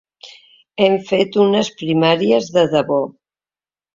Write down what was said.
Hem fet unes primàries de debò.